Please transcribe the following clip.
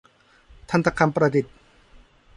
ทันตกรรมประดิษฐ์